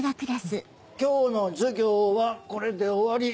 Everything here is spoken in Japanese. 今日の授業はこれで終わり。